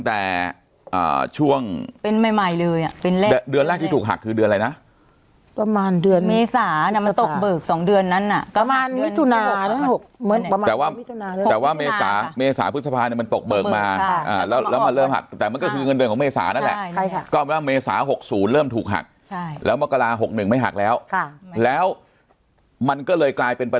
แต่สรุปมาพอเงินเดือนมันออกมันตกเบิกใช่ไหมคะเขาก็หักเอาเลย